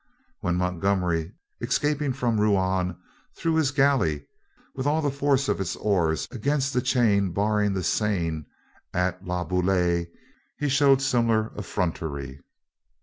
When Montgomery, escaping from Rouen, threw his galley, with all the force of its oars, against the chain barring the Seine at La Bouille, he showed similar effrontery.